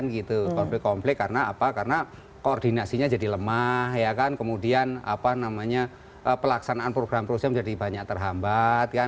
konflik konflik karena koordinasinya jadi lemah kemudian pelaksanaan program program jadi banyak terhambat